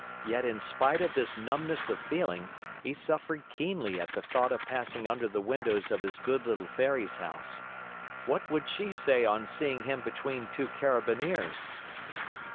Yet, in spite of this numbness of feeling, he suffered keenly at the thought of passing under the windows of his good little Fairy's house. What would she say on seeing him between two Carabineers?